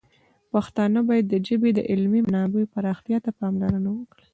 پښتانه باید د ژبې د علمي منابعو پراختیا ته پاملرنه وکړي.